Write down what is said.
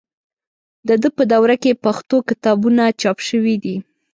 د ده په دوره کې پښتو کتابونه چاپ شوي دي.